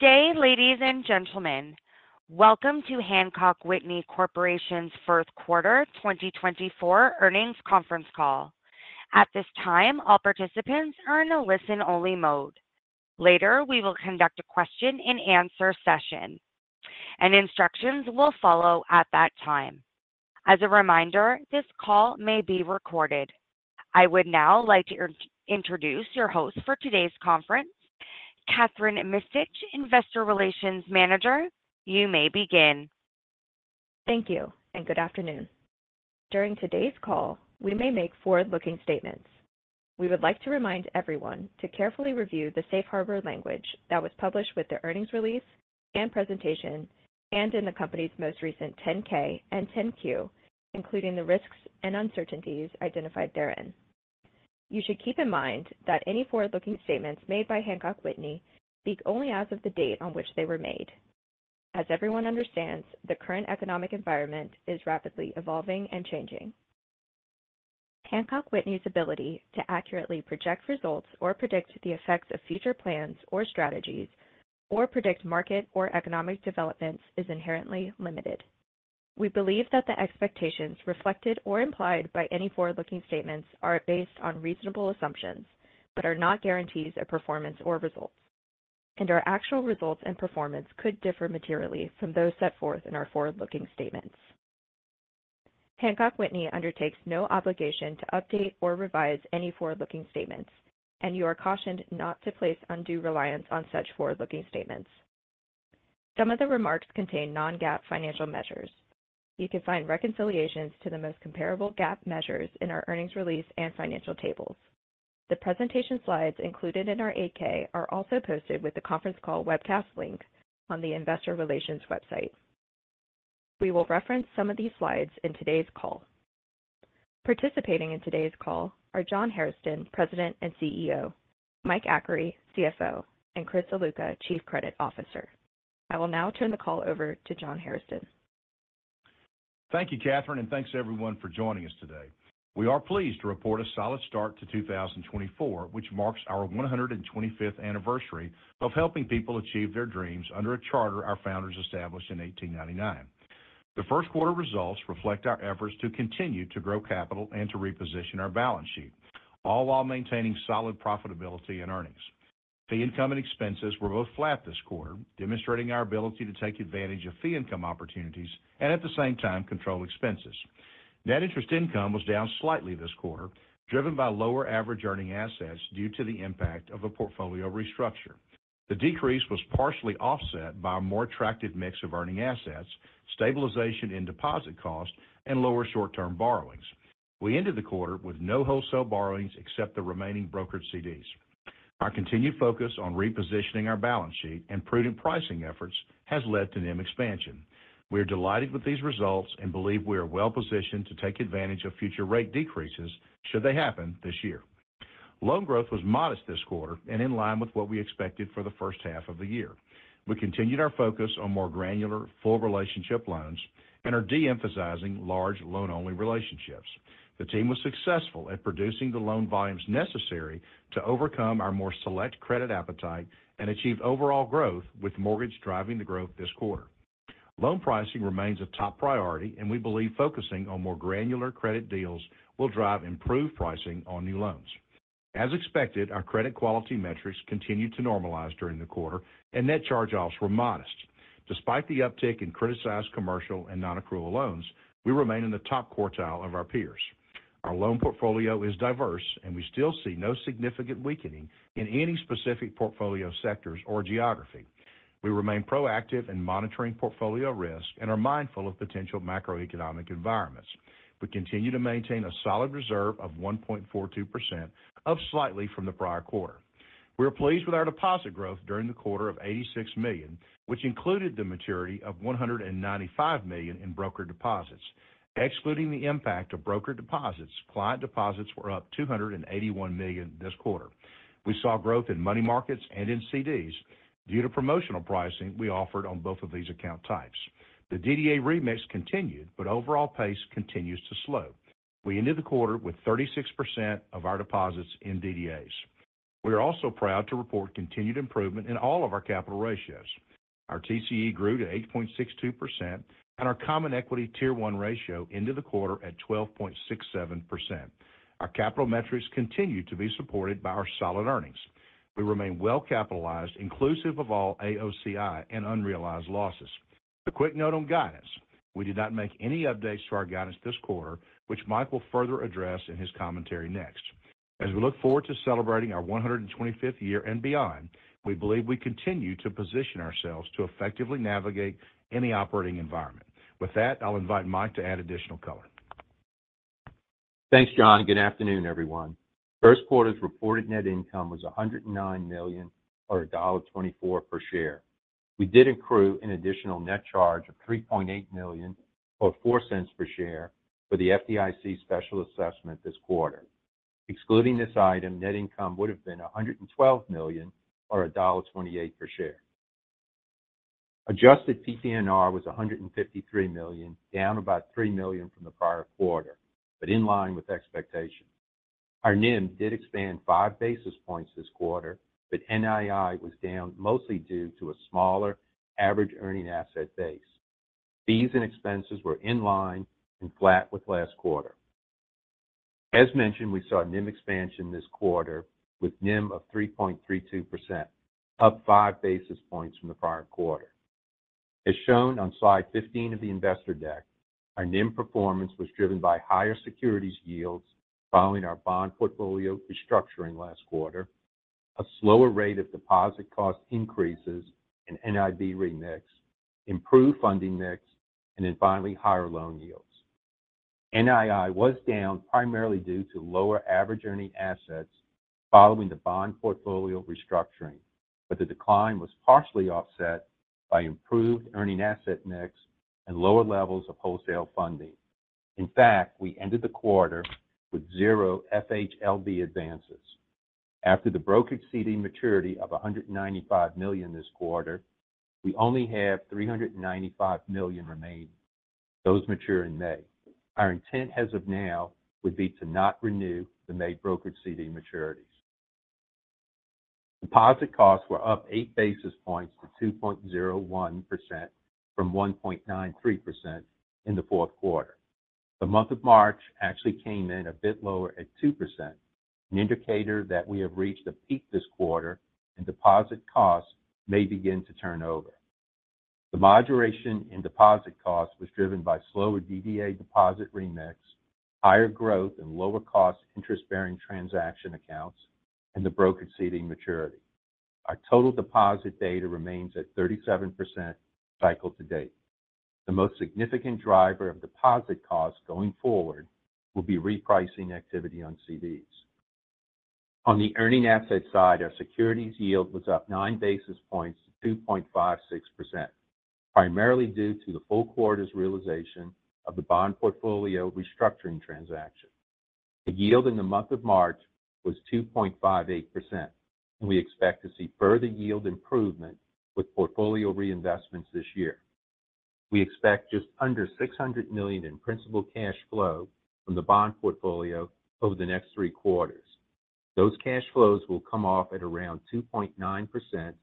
Good day, ladies and gentlemen. Welcome to Hancock Whitney Corporation's first quarter 2024 Earnings Conference Call. At this time, all participants are in a listen-only mode. Later, we will conduct a question-and-answer session, and instructions will follow at that time. As a reminder, this call may be recorded. I would now like to introduce your host for today's conference, Kathryn Mistich, Investor Relations Manager. You may begin. Thank you, and good afternoon. During today's call, we may make forward-looking statements. We would like to remind everyone to carefully review the Safe Harbor language that was published with the earnings release and presentation and in the company's most recent 10-K and 10-Q, including the risks and uncertainties identified therein. You should keep in mind that any forward-looking statements made by Hancock Whitney speak only as of the date on which they were made. As everyone understands, the current economic environment is rapidly evolving and changing. Hancock Whitney's ability to accurately project results or predict the effects of future plans or strategies, or predict market or economic developments, is inherently limited. We believe that the expectations reflected or implied by any forward-looking statements are based on reasonable assumptions but are not guarantees of performance or results, and our actual results and performance could differ materially from those set forth in our forward-looking statements. Hancock Whitney undertakes no obligation to update or revise any forward-looking statements, and you are cautioned not to place undue reliance on such forward-looking statements. Some of the remarks contain non-GAAP financial measures. You can find reconciliations to the most comparable GAAP measures in our earnings release and financial tables. The presentation slides included in our 8-K are also posted with the conference call webcast link on the Investor Relations website. We will reference some of these slides in today's call. Participating in today's call are John Hairston, President and CEO, Mike Achary, CFO, and Chris Ziluca, Chief Credit Officer. I will now turn the call over to John Hairston. Thank you, Kathryn, and thanks to everyone for joining us today. We are pleased to report a solid start to 2024, which marks our 125th anniversary of helping people achieve their dreams under a charter our founders established in 1899. The first quarter results reflect our efforts to continue to grow capital and to reposition our balance sheet, all while maintaining solid profitability and earnings. Fee income and expenses were both flat this quarter, demonstrating our ability to take advantage of fee income opportunities and, at the same time, control expenses. Net interest income was down slightly this quarter, driven by lower average earning assets due to the impact of a portfolio restructure. The decrease was partially offset by a more attractive mix of earning assets, stabilization in deposit costs, and lower short-term borrowings. We ended the quarter with no wholesale borrowings except the remaining brokered CDs. Our continued focus on repositioning our balance sheet and prudent pricing efforts has led to NIM expansion. We are delighted with these results and believe we are well positioned to take advantage of future rate decreases should they happen this year. Loan growth was modest this quarter and in line with what we expected for the first half of the year. We continued our focus on more granular, full relationship loans and are de-emphasizing large loan-only relationships. The team was successful at producing the loan volumes necessary to overcome our more select credit appetite and achieve overall growth, with mortgage driving the growth this quarter. Loan pricing remains a top priority, and we believe focusing on more granular credit deals will drive improved pricing on new loans. As expected, our credit quality metrics continued to normalize during the quarter, and net charge-offs were modest. Despite the uptick in criticized commercial and non-accrual loans, we remain in the top quartile of our peers. Our loan portfolio is diverse, and we still see no significant weakening in any specific portfolio sectors or geography. We remain proactive in monitoring portfolio risk and are mindful of potential macroeconomic environments. We continue to maintain a solid reserve of 1.42%, up slightly from the prior quarter. We are pleased with our deposit growth during the quarter of $86 million, which included the maturity of $195 million in brokered deposits. Excluding the impact of brokered deposits, client deposits were up $281 million this quarter. We saw growth in money markets and in CDs due to promotional pricing we offered on both of these account types. The DDA remix continued, but overall pace continues to slow. We ended the quarter with 36% of our deposits in DDAs. We are also proud to report continued improvement in all of our capital ratios. Our TCE grew to 8.62%, and our Common Equity Tier 1 ratio ended the quarter at 12.67%. Our capital metrics continue to be supported by our solid earnings. We remain well capitalized, inclusive of all AOCI and unrealized losses. A quick note on guidance: we did not make any updates to our guidance this quarter, which Mike will further address in his commentary next. As we look forward to celebrating our 125th year and beyond, we believe we continue to position ourselves to effectively navigate any operating environment. With that, I'll invite Mike to add additional color. Thanks, John. Good afternoon, everyone. First quarter's reported net income was $109 million or $1.24 per share. We did accrue an additional net charge of $3.8 million or $0.04 per share for the FDIC special assessment this quarter. Excluding this item, net income would have been $112 million or $1.28 per share. Adjusted PPNR was $153 million, down about $3 million from the prior quarter, but in line with expectations. Our NIM did expand 5 basis points this quarter, but NII was down mostly due to a smaller average earning asset base. Fees and expenses were in line and flat with last quarter. As mentioned, we saw NIM expansion this quarter with NIM of 3.32%, up five basis points from the prior quarter. As shown on slide 15 of the investor deck, our NIM performance was driven by higher securities yields following our bond portfolio restructuring last quarter, a slower rate of deposit cost increases in NIB remix, improved funding mix, and then finally higher loan yields. NII was down primarily due to lower average earning assets following the bond portfolio restructuring, but the decline was partially offset by improved earning asset mix and lower levels of wholesale funding. In fact, we ended the quarter with zero FHLB advances. After the brokered CD maturity of $195 million this quarter, we only have $395 million remaining. Those mature in May. Our intent as of now would be to not renew the May brokered CD maturities. Deposit costs were up eight basis points to 2.01% from 1.93% in the fourth quarter. The month of March actually came in a bit lower at 2%, an indicator that we have reached a peak this quarter and deposit costs may begin to turn over. The moderation in deposit costs was driven by slower DDA deposit remix, higher growth in lower-cost interest-bearing transaction accounts, and the brokered CD maturity. Our total deposit beta remains at 37% cycle to date. The most significant driver of deposit costs going forward will be repricing activity on CDs. On the earning asset side, our securities yield was up nine basis points to 2.56%, primarily due to the full quarter's realization of the bond portfolio restructuring transaction. The yield in the month of March was 2.58%, and we expect to see further yield improvement with portfolio reinvestments this year. We expect just under $600 million in principal cash flow from the bond portfolio over the next three quarters. Those cash flows will come off at around 2.9% and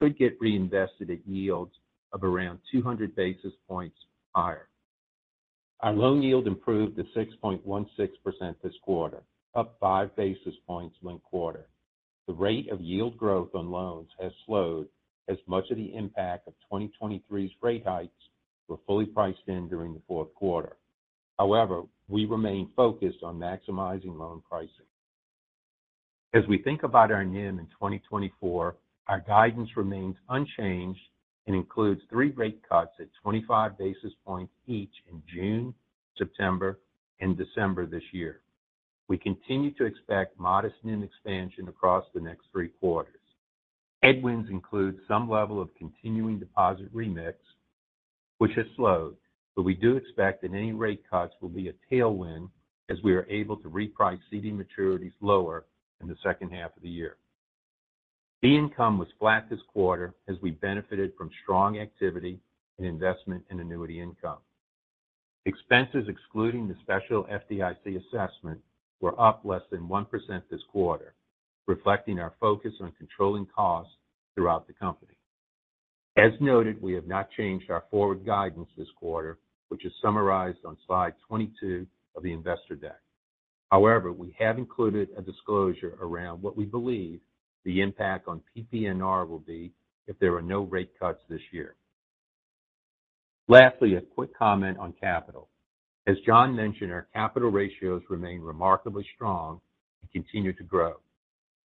could get reinvested at yields of around 200 basis points higher. Our loan yield improved to 6.16% this quarter, up five basis points linked quarter. The rate of yield growth on loans has slowed as much as the impact of 2023's rate hikes were fully priced in during the fourth quarter. However, we remain focused on maximizing loan pricing. As we think about our NIM in 2024, our guidance remains unchanged and includes three rate cuts at 25 basis points each in June, September, and December this year. We continue to expect modest NIM expansion across the next three quarters. Headwinds include some level of continuing deposit remix, which has slowed, but we do expect that any rate cuts will be a tailwind as we are able to reprice CD maturities lower in the second half of the year. Fee income was flat this quarter as we benefited from strong activity in investment and annuity income. Expenses excluding the special FDIC assessment were up less than 1% this quarter, reflecting our focus on controlling costs throughout the company. As noted, we have not changed our forward guidance this quarter, which is summarized on slide 22 of the investor deck. However, we have included a disclosure around what we believe the impact on PP&R will be if there are no rate cuts this year. Lastly, a quick comment on capital. As John mentioned, our capital ratios remain remarkably strong and continue to grow.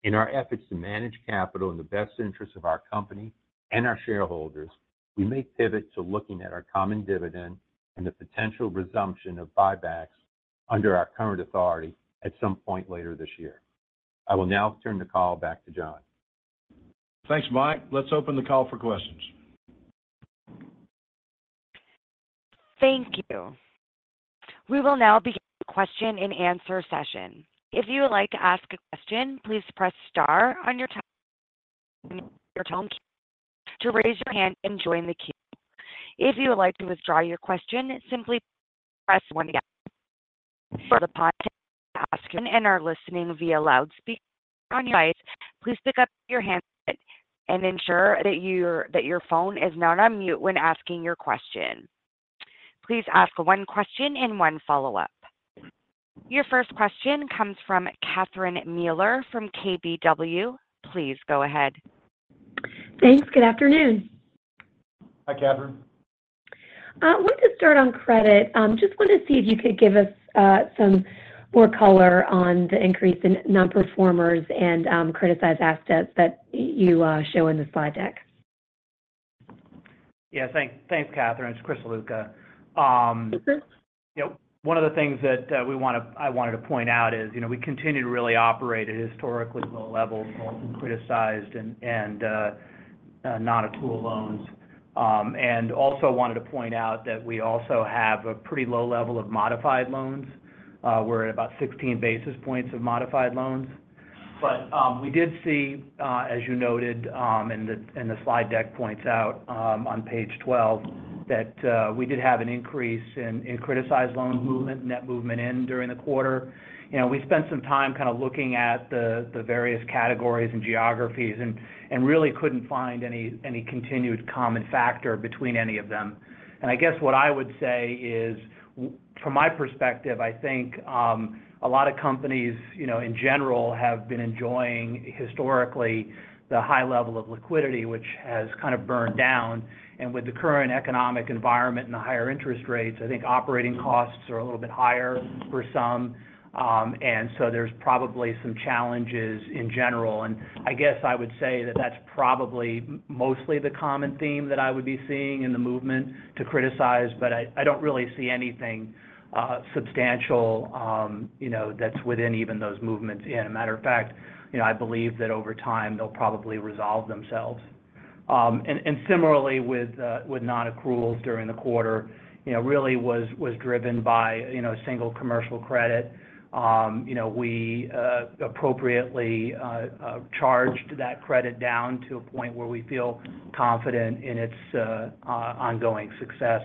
In our efforts to manage capital in the best interest of our company and our shareholders, we may pivot to looking at our common dividend and the potential resumption of buybacks under our current authority at some point later this year. I will now turn the call back to John. Thanks, Mike. Let's open the call for questions. Thank you. We will now begin the question-and-answer session. If you would like to ask a question, please press star on your tone key to raise your hand and join the queue. If you would like to withdraw your question, simply press one of the options. For the podcast, asking and are listening via loudspeaker on your device, please pick up your handset and ensure that your phone is not on mute when asking your question. Please ask one question and one follow-up. Your first question comes from Catherine Mealor from KBW. Please go ahead. Thanks. Good afternoon. Hi, Kathryn. I wanted to start on credit. Just wanted to see if you could give us some more color on the increase in non-performers and criticized assets that you show in the slide deck. Yeah. Thanks, Kathryn. It's Chris Ziluca. One of the things that I wanted to point out is we continue to really operate at historically low levels, both in criticized and non-accrual loans. Also wanted to point out that we also have a pretty low level of modified loans. We're at about 16 basis points of modified loans. But we did see, as you noted, and the slide deck points out on page 12, that we did have an increase in criticized loans movement, net movement in during the quarter. We spent some time kind of looking at the various categories and geographies and really couldn't find any continued common factor between any of them. I guess what I would say is, from my perspective, I think a lot of companies, in general, have been enjoying, historically, the high level of liquidity, which has kind of burned down. With the current economic environment and the higher interest rates, I think operating costs are a little bit higher for some. And so there's probably some challenges in general. And I guess I would say that that's probably mostly the common theme that I would be seeing in the movement to criticized, but I don't really see anything substantial that's within even those movements in. As a matter of fact, I believe that over time, they'll probably resolve themselves. And similarly, with non-accruals during the quarter, really was driven by single commercial credit. We appropriately charged that credit down to a point where we feel confident in its ongoing success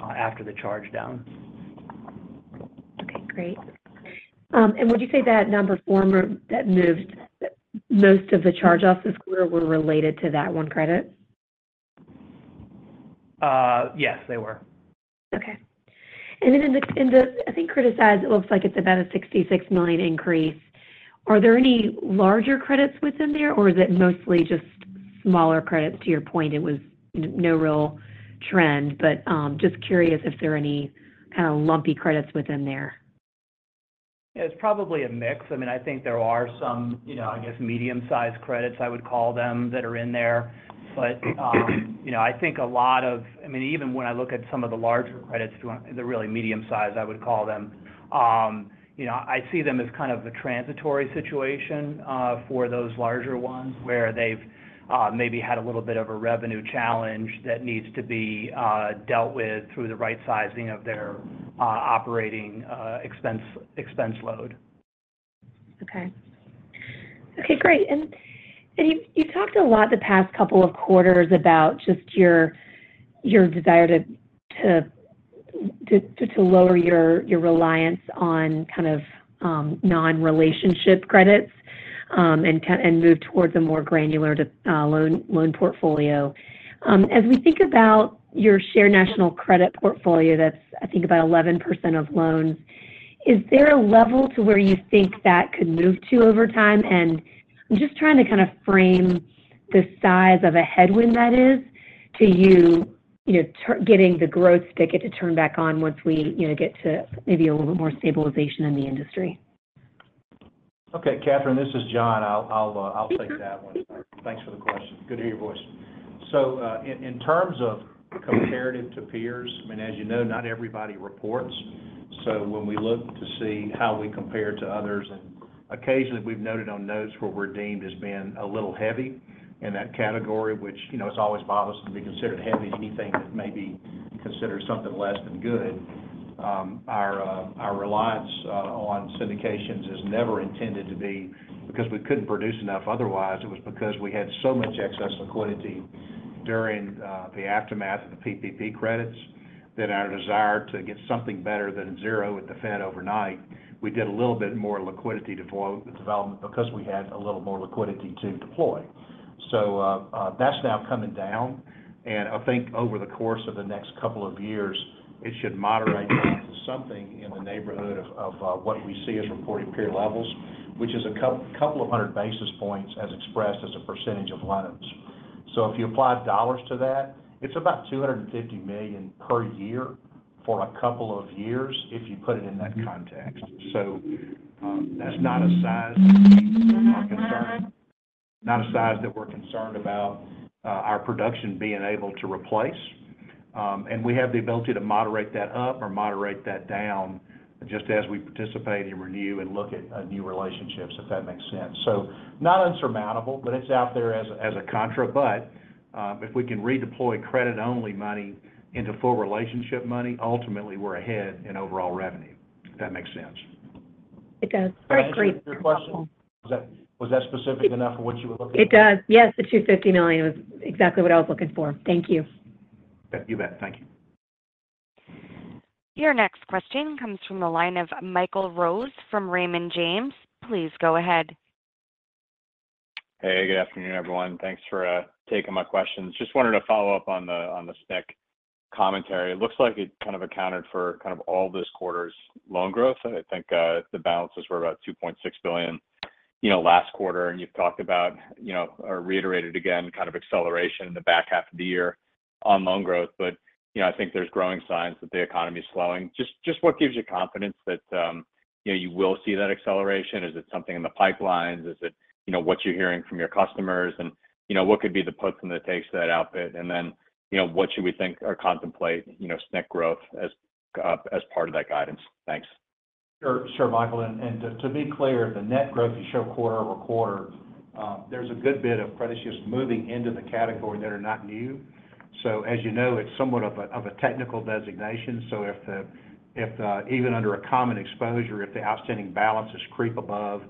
after the charge down. Okay. Great. Would you say that non-performers that moved most of the charge-offs this quarter were related to that one credit? Yes, they were. Okay. And then in the, I think, criticized, it looks like it's about a $66 million increase. Are there any larger credits within there, or is it mostly just smaller credits? To your point, it was no real trend, but just curious if there are any kind of lumpy credits within there. Yeah. It's probably a mix. I mean, I think there are some, I guess, medium-sized credits, I would call them, that are in there. But I think a lot of, I mean, even when I look at some of the larger credits, the really medium-sized, I would call them, I see them as kind of a transitory situation for those larger ones where they've maybe had a little bit of a revenue challenge that needs to be dealt with through the right sizing of their operating expense load. Okay. Okay. Great. And you've talked a lot the past couple of quarters about just your desire to lower your reliance on kind of non-relationship credits and move towards a more granular loan portfolio. As we think about your Shared National Credit portfolio, that's, I think, about 11% of loans, is there a level to where you think that could move to over time? And I'm just trying to kind of frame the size of a headwind that is to you getting the growth spigot to turn back on once we get to maybe a little more stabilization in the industry. Okay, Catherine, this is John. I'll take that one. Thanks for the question. Good to hear your voice. So in terms of comparative to peers, I mean, as you know, not everybody reports. So when we look to see how we compare to others, and occasionally we've noted on notes where we're deemed as being a little heavy in that category, which it's always bothersome to be considered heavy, anything that may be considered something less than good. Our reliance on syndications is never intended to be because we couldn't produce enough otherwise. It was because we had so much excess liquidity during the aftermath of the PPP credits that our desire to get something better than zero with the Fed overnight, we did a little bit more liquidity development because we had a little more liquidity to deploy. So that's now coming down. I think over the course of the next couple of years, it should moderate down to something in the neighborhood of what we see as reported peer levels, which is a couple of hundred basis points as expressed as a percentage of loans. If you apply dollars to that, it's about $250 million per year for a couple of years if you put it in that context. That's not a size that we are concerned, not a size that we're concerned about our production being able to replace. We have the ability to moderate that up or moderate that down just as we participate in renew and look at new relationships, if that makes sense. Not insurmountable, but it's out there as a contra. If we can redeploy credit-only money into full relationship money, ultimately, we're ahead in overall revenue, if that makes sense. It does. All right. Great. Was that specific enough for what you were looking for? It does. Yes. The $250 million was exactly what I was looking for. Thank you. Okay. You bet. Thank you. Your next question comes from the line of Michael Rose from Raymond James. Please go ahead. Hey. Good afternoon, everyone. Thanks for taking my questions. Just wanted to follow up on the SNC commentary. It looks like it kind of accounted for kind of all this quarter's loan growth. I think the balances were about $2.6 billion last quarter. And you've talked about or reiterated again kind of acceleration in the back half of the year on loan growth. But I think there's growing signs that the economy's slowing. Just what gives you confidence that you will see that acceleration? Is it something in the pipelines? Is it what you're hearing from your customers? And what could be the puts and the takes to that output? And then what should we think or contemplate SNC growth as part of that guidance? Thanks. Sure, Michael. And to be clear, the net growth you show quarter-over-quarter, there's a good bit of credit just moving into the category that are not new. So as you know, it's somewhat of a technical designation. So if even under a common exposure, if the outstanding balances creep above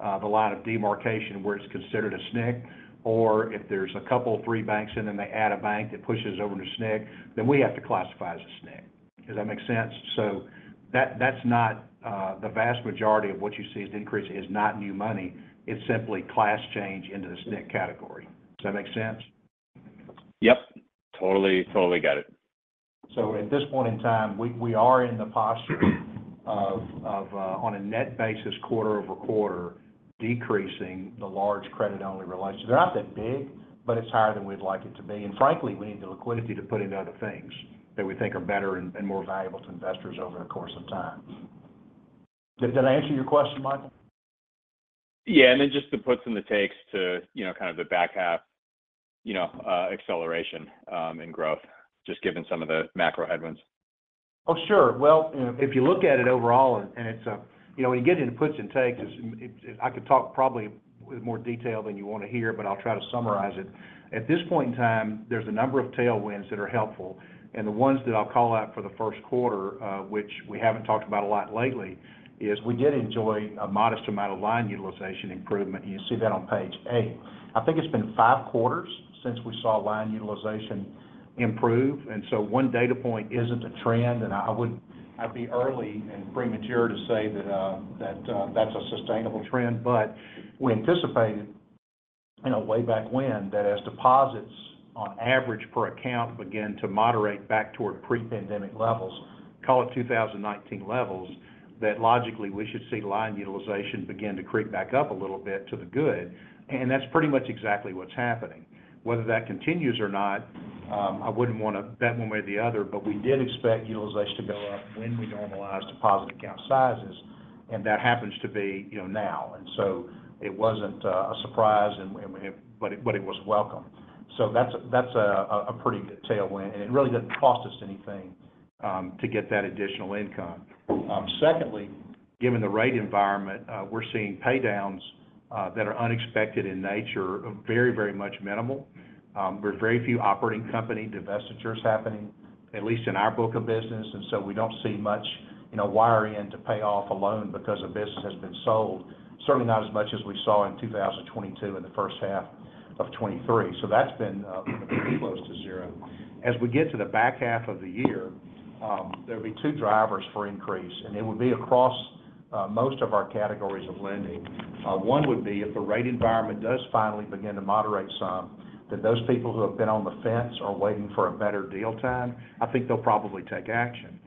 the line of demarcation where it's considered an SNC, or if there's a couple, three banks, and then they add a bank that pushes over to SNC, then we have to classify as an SNC. Does that make sense? So that's not the vast majority of what you see as the increase is not new money. It's simply class change into the SNC category. Does that make sense? Yep. Totally, totally got it. So at this point in time, we are in the posture of, on a net basis, quarter-over-quarter, decreasing the large credit-only relationships. They're not that big, but it's higher than we'd like it to be. And frankly, we need the liquidity to put into other things that we think are better and more valuable to investors over the course of time. Did that answer your question, Michael? Yeah. And then just the puts and the takes to kind of the back half acceleration and growth, just given some of the macro headwinds? Oh, sure. Well, if you look at it overall, and when you get into puts and takes, I could talk probably with more detail than you want to hear, but I'll try to summarize it. At this point in time, there's a number of tailwinds that are helpful. And the ones that I'll call out for the first quarter, which we haven't talked about a lot lately, is we did enjoy a modest amount of line utilization improvement. You see that on page eight. I think it's been five quarters since we saw line utilization improve. And so one data point isn't a trend. And I'd be early and premature to say that that's a sustainable trend. But we anticipated way back when that as deposits on average per account began to moderate back toward pre-pandemic levels, call it 2019 levels, that logically, we should see line utilization begin to creep back up a little bit to the good. And that's pretty much exactly what's happening. Whether that continues or not, I wouldn't want to bet one way or the other, but we did expect utilization to go up when we normalized deposit account sizes. And that happens to be now. And so it wasn't a surprise, but it was welcome. So that's a pretty good tailwind. And it really didn't cost us anything to get that additional income. Secondly, given the rate environment, we're seeing paydowns that are unexpected in nature, very, very much minimal. There's very few operating company divestitures happening, at least in our book of business. We don't see much wire-in to pay off a loan because a business has been sold, certainly not as much as we saw in 2022 in the first half of 2023. That's been very close to zero. As we get to the back half of the year, there'll be two drivers for increase. It would be across most of our categories of lending. One would be if the rate environment does finally begin to moderate some, that those people who have been on the fence or waiting for a better deal time, I think they'll probably take action.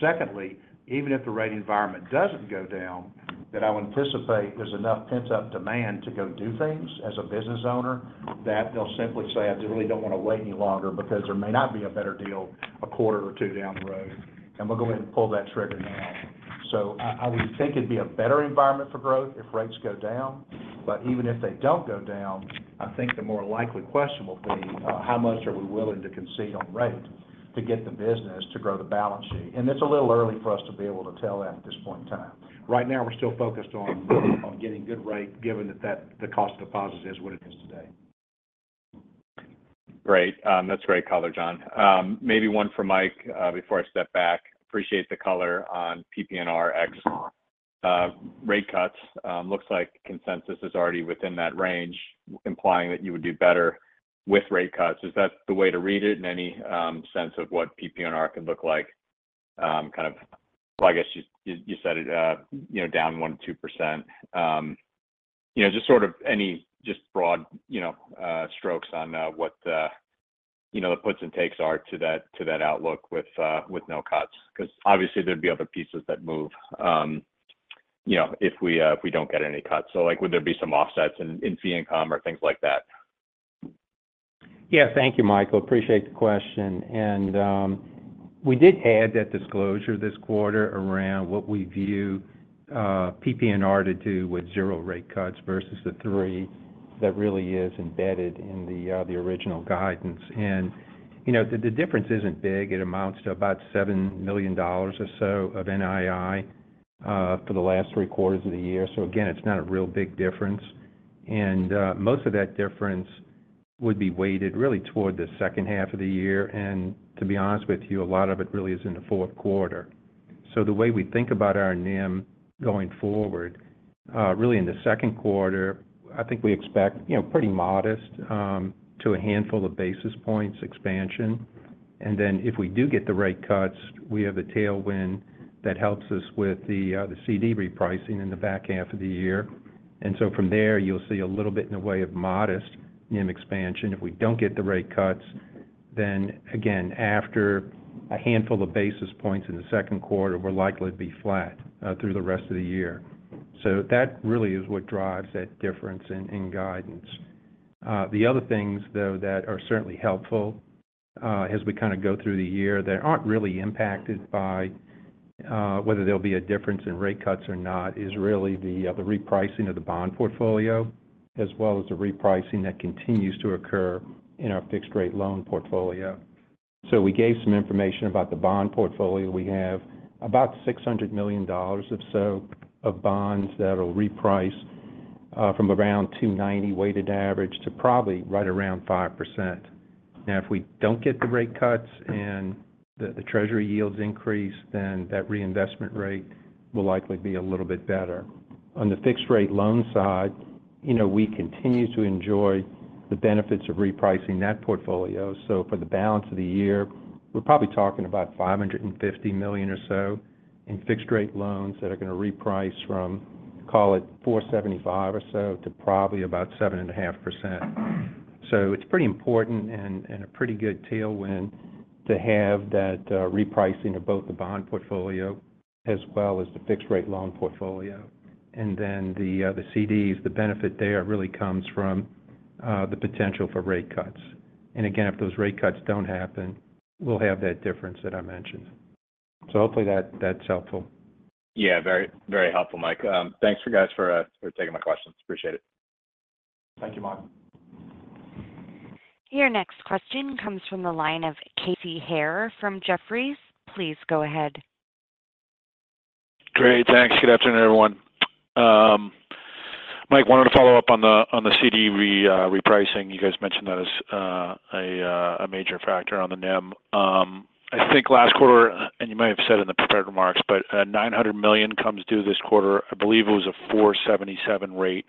Secondly, even if the rate environment doesn't go down, that I would anticipate there's enough pent-up demand to go do things as a business owner that they'll simply say, "I really don't want to wait any longer because there may not be a better deal a quarter or two down the road. And we'll go ahead and pull that trigger now." So I would think it'd be a better environment for growth if rates go down. But even if they don't go down, I think the more likely question will be, how much are we willing to concede on rate to get the business to grow the balance sheet? And it's a little early for us to be able to tell that at this point in time. Right now, we're still focused on getting good rate given that the cost of deposits is what it is today. Great. That's great color, John. Maybe one for Mike before I step back. Appreciate the color on PP&R rate cuts. Looks like consensus is already within that range, implying that you would do better with rate cuts. Is that the way to read it in any sense of what PP&R could look like? Kind of, well, I guess you said it down 1%-2%. Just sort of any just broad strokes on what the puts and takes are to that outlook with no cuts because obviously, there'd be other pieces that move if we don't get any cuts. So would there be some offsets in fee income or things like that? Yeah. Thank you, Michael. Appreciate the question. And we did add that disclosure this quarter around what we view PP&R to do with zero rate cuts versus the three that really is embedded in the original guidance. And the difference isn't big. It amounts to about $7 million or so of NII for the last three quarters of the year. So again, it's not a real big difference. And most of that difference would be weighted really toward the second half of the year. And to be honest with you, a lot of it really is in the fourth quarter. So the way we think about our NIM going forward, really in the second quarter, I think we expect pretty modest to a handful of basis points expansion. And then if we do get the rate cuts, we have a tailwind that helps us with the CD repricing in the back half of the year. And so from there, you'll see a little bit in the way of modest NIM expansion. If we don't get the rate cuts, then again, after a handful of basis points in the second quarter, we're likely to be flat through the rest of the year. So that really is what drives that difference in guidance. The other things, though, that are certainly helpful as we kind of go through the year that aren't really impacted by whether there'll be a difference in rate cuts or not is really the repricing of the bond portfolio as well as the repricing that continues to occur in our fixed-rate loan portfolio. So we gave some information about the bond portfolio. We have about $600 million or so of bonds that'll reprice from around 2.90% weighted average to probably right around 5%. Now, if we don't get the rate cuts and the Treasury yields increase, then that reinvestment rate will likely be a little bit better. On the fixed-rate loan side, we continue to enjoy the benefits of repricing that portfolio. So for the balance of the year, we're probably talking about $550 million or so in fixed-rate loans that are going to reprice from, call it, 4.75% or so to probably about 7.5%. So it's pretty important and a pretty good tailwind to have that repricing of both the bond portfolio as well as the fixed-rate loan portfolio. And then the CDs, the benefit there really comes from the potential for rate cuts. And again, if those rate cuts don't happen, we'll have that difference that I mentioned. Hopefully, that's helpful. Yeah. Very helpful, Mike. Thanks, guys, for taking my questions. Appreciate it. Thank you, Mike. Your next question comes from the line of Casey Haire from Jefferies. Please go ahead. Great. Thanks. Good afternoon, everyone. Mike wanted to follow up on the CD repricing. You guys mentioned that as a major factor on the NIM. I think last quarter, and you might have said in the prepared remarks, but $900 million comes due this quarter. I believe it was a 4.77% rate.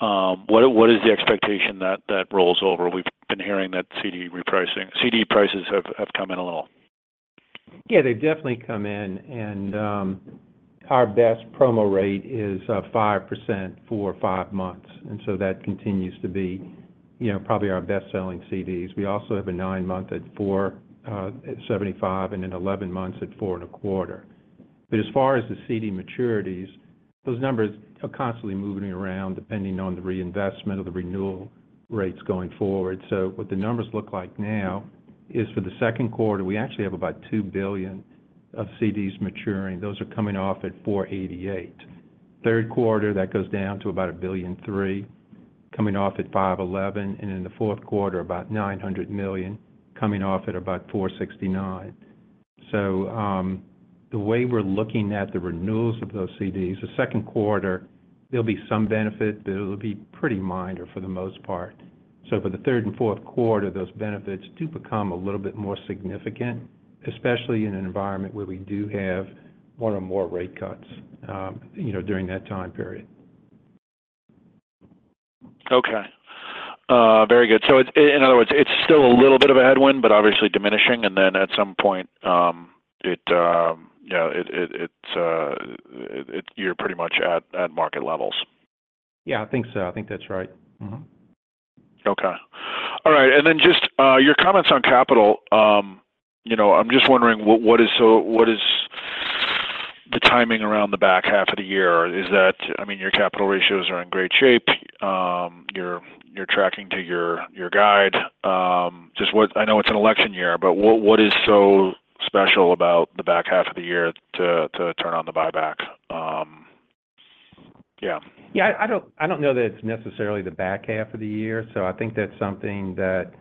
What is the expectation that rolls over? We've been hearing that CD prices have come in a little. Yeah. They've definitely come in. Our best promo rate is 5% for five months. So that continues to be probably our best-selling CDs. We also have a nine-month at 4.75% and an 11-month at 4.25%. But as far as the CD maturities, those numbers are constantly moving around depending on the reinvestment or the renewal rates going forward. So what the numbers look like now is for the second quarter, we actually have about $2 billion of CDs maturing. Those are coming off at 4.88%. Third quarter, that goes down to about $1.3 billion, coming off at 5.11%. And in the fourth quarter, about $900 million, coming off at about 4.69%. So the way we're looking at the renewals of those CDs, the second quarter, there'll be some benefit, but it'll be pretty minor for the most part. For the third and fourth quarter, those benefits do become a little bit more significant, especially in an environment where we do have more and more rate cuts during that time period. Okay. Very good. So in other words, it's still a little bit of a headwind, but obviously diminishing. And then at some point, yeah, you're pretty much at market levels. Yeah. I think so. I think that's right. Okay. All right. And then just your comments on capital, I'm just wondering, what is the timing around the back half of the year? I mean, your capital ratios are in great shape. You're tracking to your guide. I know it's an election year, but what is so special about the back half of the year to turn on the buyback? Yeah. Yeah. I don't know that it's necessarily the back half of the year. I think that's something that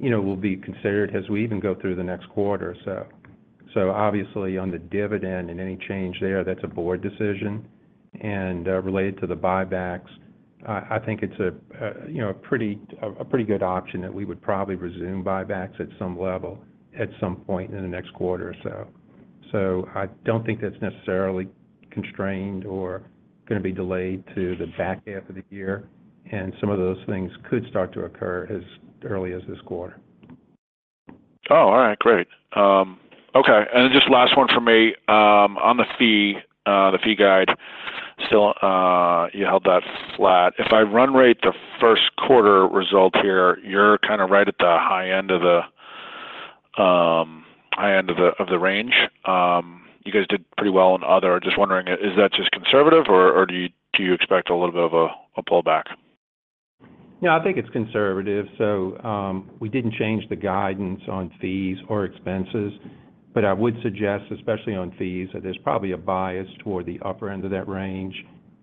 will be considered as we even go through the next quarter. Obviously, on the dividend and any change there, that's a board decision. Related to the buybacks, I think it's a pretty good option that we would probably resume buybacks at some level at some point in the next quarter or so. I don't think that's necessarily constrained or going to be delayed to the back half of the year. Some of those things could start to occur as early as this quarter. Oh, all right. Great. Okay. And then just last one from me on the fee guide. Still, you held that flat. If I run-rate the first quarter result here, you're kind of right at the high end of the range. You guys did pretty well in other. Just wondering, is that just conservative, or do you expect a little bit of a pullback? Yeah. I think it's conservative. So we didn't change the guidance on fees or expenses. But I would suggest, especially on fees, that there's probably a bias toward the upper end of that range.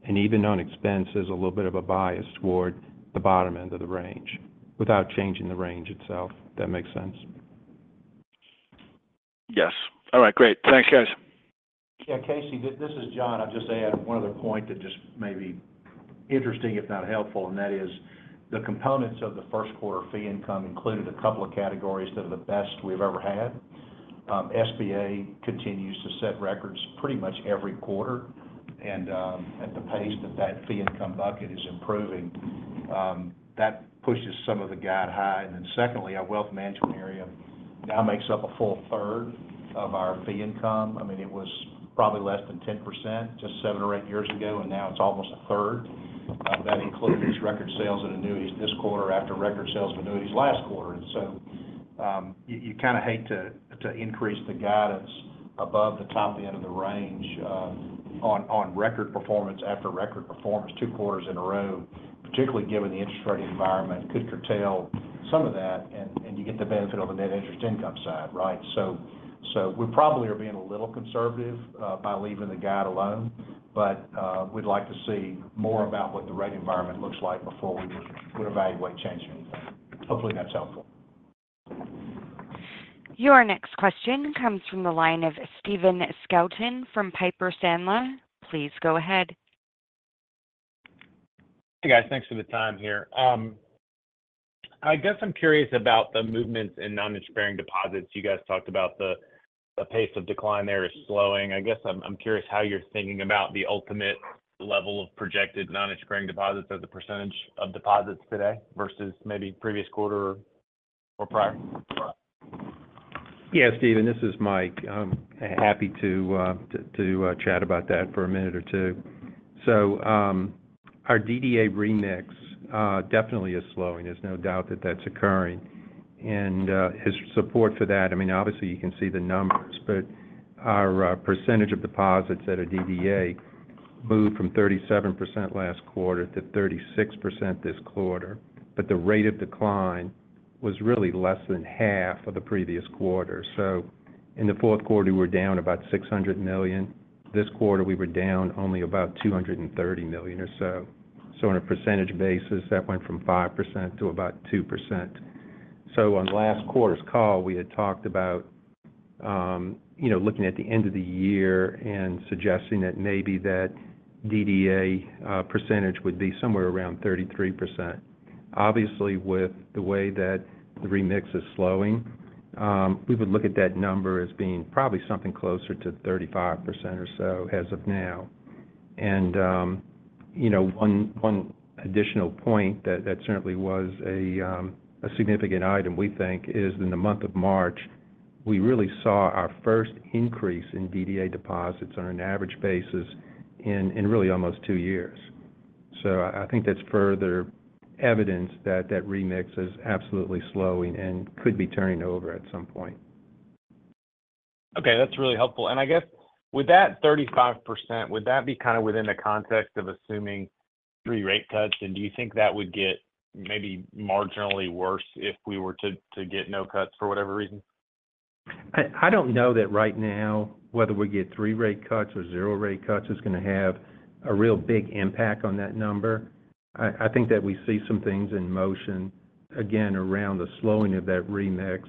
And even on expenses, a little bit of a bias toward the bottom end of the range without changing the range itself. If that makes sense. Yes. All right. Great. Thanks, guys. Yeah. Casey, this is John. I'll just add one other point that's just maybe interesting, if not helpful. The components of the first quarter fee income included a couple of categories that are the best we've ever had. SBA continues to set records pretty much every quarter. At the pace that that fee income bucket is improving, that pushes some of the guide high. Then secondly, our wealth management area now makes up a full third of our fee income. I mean, it was probably less than 10% just seven or eight years ago. Now it's almost a third. That includes record sales and annuities this quarter after record sales and annuities last quarter. You kind of hate to increase the guidance above the top end of the range on record performance after record performance two quarters in a row, particularly given the interest rate environment, could curtail some of that. You get the benefit of the net interest income side, right? We probably are being a little conservative by leaving the guide alone. We'd like to see more about what the rate environment looks like before we would evaluate changing anything. Hopefully, that's helpful. Your next question comes from the line of Stephen Scouten from Piper Sandler. Please go ahead. Hey, guys. Thanks for the time here. I guess I'm curious about the movements in non-expiring deposits. You guys talked about the pace of decline there is slowing. I guess I'm curious how you're thinking about the ultimate level of projected non-expiring deposits as a percentage of deposits today versus maybe previous quarter or prior. Yeah, Stephen. This is Mike. I'm happy to chat about that for a minute or two. So our DDA mix definitely is slowing. There's no doubt that that's occurring. And his support for that, I mean, obviously, you can see the numbers. But our percentage of deposits that are DDA moved from 37% last quarter to 36% this quarter. But the rate of decline was really less than half of the previous quarter. So in the fourth quarter, we were down about $600 million. This quarter, we were down only about $230 million or so. So on a percentage basis, that went from 5% to about 2%. So on last quarter's call, we had talked about looking at the end of the year and suggesting that maybe that DDA percentage would be somewhere around 33%. Obviously, with the way that the remix is slowing, we would look at that number as being probably something closer to 35% or so as of now. And one additional point that certainly was a significant item, we think, is in the month of March, we really saw our first increase in DDA deposits on an average basis in really almost two years. So I think that's further evidence that that remix is absolutely slowing and could be turning over at some point. Okay. That's really helpful. And I guess with that 35%, would that be kind of within the context of assuming three rate cuts? And do you think that would get maybe marginally worse if we were to get no cuts for whatever reason? I don't know that right now whether we get 3 rate cuts or 0 rate cuts is going to have a real big impact on that number. I think that we see some things in motion, again, around the slowing of that remix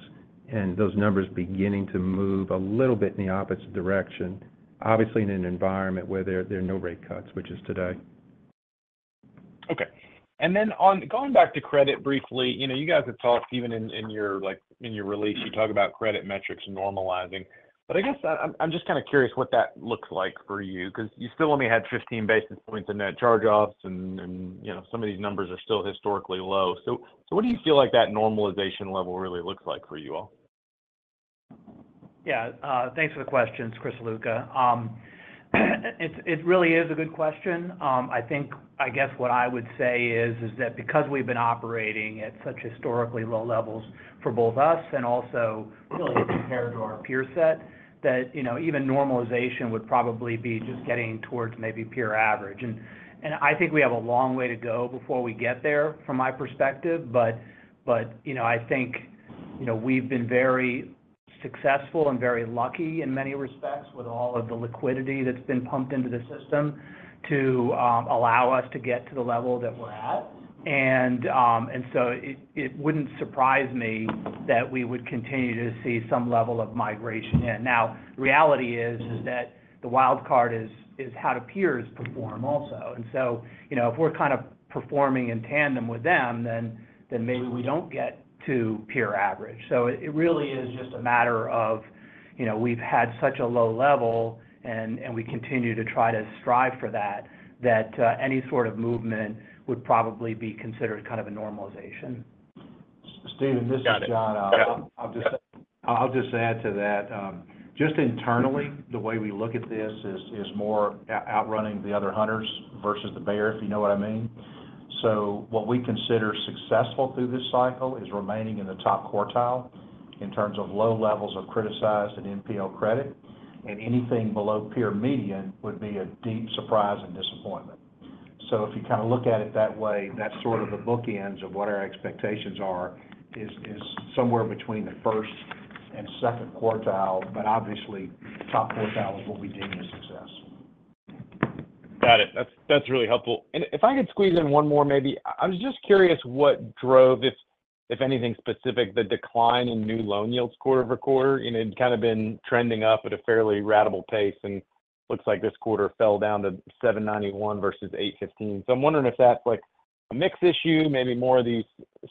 and those numbers beginning to move a little bit in the opposite direction, obviously, in an environment where there are no rate cuts, which is today. Okay. Then going back to credit briefly, you guys had talked, even in your release, you talked about credit metrics normalizing. I guess I'm just kind of curious what that looks like for you because you still only had 15 basis points in net charge-offs. And some of these numbers are still historically low. What do you feel like that normalization level really looks like for you all? Yeah. Thanks for the questions, Chris Ziluca. It really is a good question. I guess what I would say is that because we've been operating at such historically low levels for both us and also really in comparison to our peer set, that even normalization would probably be just getting towards maybe pure average. And I think we have a long way to go before we get there, from my perspective. But I think we've been very successful and very lucky in many respects with all of the liquidity that's been pumped into the system to allow us to get to the level that we're at. And so it wouldn't surprise me that we would continue to see some level of migration in. Now, the reality is that the wild card is how do peers perform also. And so if we're kind of performing in Tandem with them, then maybe we don't get to pure average. So it really is just a matter of we've had such a low level, and we continue to try to strive for that, that any sort of movement would probably be considered kind of a normalization. Stephen, this is John. I'll just add to that. Just internally, the way we look at this is more outrunning the other hunters versus the bear, if you know what I mean. So what we consider successful through this cycle is remaining in the top quartile in terms of low levels of criticized and NPL credit. And anything below peer median would be a deep surprise and disappointment. So if you kind of look at it that way, that sort of the bookends of what our expectations are is somewhere between the first and second quartile. But obviously, top quartile is what we deem as success. Got it. That's really helpful. If I could squeeze in one more, maybe I was just curious what drove, if anything specific, the decline in new loan yields quarter-over-quarter. It'd kind of been trending up at a fairly radical pace. And looks like this quarter fell down to 791 versus 815. So I'm wondering if that's a mix issue, maybe more of these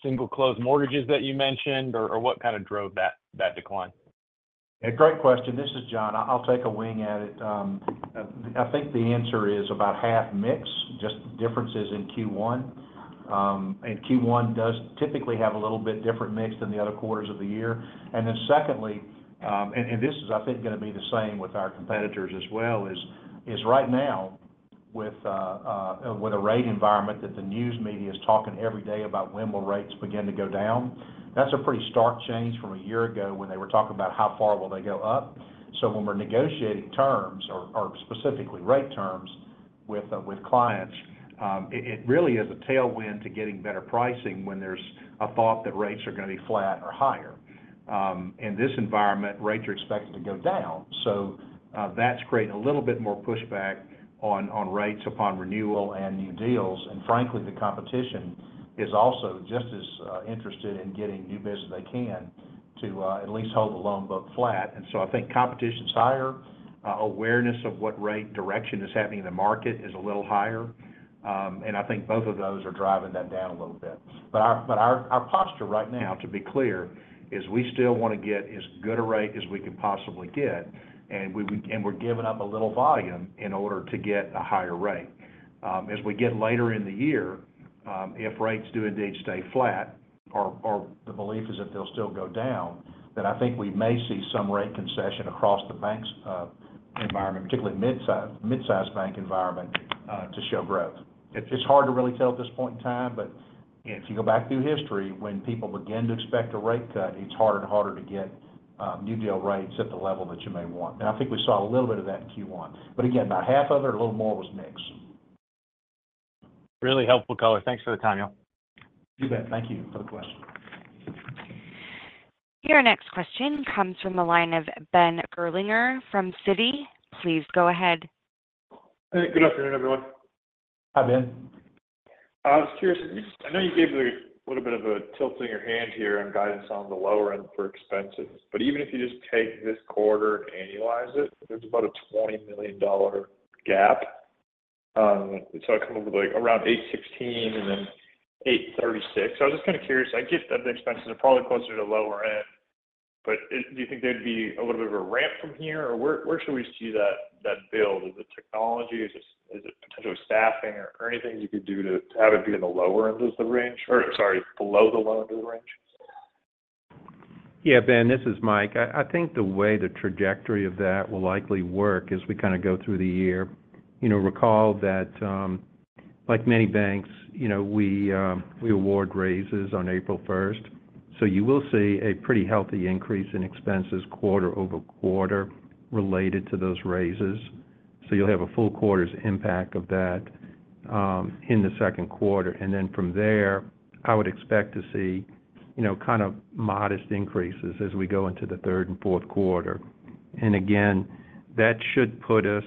single-close mortgages that you mentioned, or what kind of drove that decline? Yeah. Great question. This is John. I'll take a swing at it. I think the answer is about half mix, just differences in Q1. Q1 does typically have a little bit different mix than the other quarters of the year. And then secondly, and this is, I think, going to be the same with our competitors as well, is right now, with a rate environment that the news media is talking every day about when will rates begin to go down, that's a pretty stark change from a year ago when they were talking about how far will they go up. So when we're negotiating terms or specifically rate terms with clients, it really is a tailwind to getting better pricing when there's a thought that rates are going to be flat or higher. In this environment, rates are expected to go down. So that's creating a little bit more pushback on rates upon renewal and new deals. And frankly, the competition is also just as interested in getting new bids as they can to at least hold the loan book flat. And so I think competition's higher. Awareness of what rate direction is happening in the market is a little higher. And I think both of those are driving that down a little bit. But our posture right now, to be clear, is we still want to get as good a rate as we can possibly get. And we're giving up a little volume in order to get a higher rate. As we get later in the year, if rates do indeed stay flat, or the belief is that they'll still go down, then I think we may see some rate concession across the banks environment, particularly midsize bank environment, to show growth. It's hard to really tell at this point in time. But if you go back through history, when people begin to expect a rate cut, it's harder and harder to get new deal rates at the level that you may want. And I think we saw a little bit of that in Q1. But again, about half of it or a little more was mix. Really helpful, Color. Thanks for the time, y'all. You bet. Thank you for the question. Your next question comes from the line of Ben Gerlinger from Citi. Please go ahead. Hey. Good afternoon, everyone. Hi, Ben. I was curious. I know you gave a little bit of a tilt in your hand here on guidance on the lower end for expenses. But even if you just take this quarter and annualize it, there's about a $20 million gap. So I come up with around $816 million and then $836 million. So I was just kind of curious. I get that the expenses are probably closer to the lower end. But do you think there'd be a little bit of a ramp from here? Or where should we see that build? Is it technology? Is it potentially staffing or anything you could do to have it be in the lower end of the range or, sorry, below the low end of the range? Yeah, Ben. This is Mike. I think the way the trajectory of that will likely work is we kind of go through the year. Recall that like many banks, we award raises on April 1st. So you will see a pretty healthy increase in expenses quarter over quarter related to those raises. So you'll have a full quarter's impact of that in the second quarter. And then from there, I would expect to see kind of modest increases as we go into the third and fourth quarter. And again, that should put us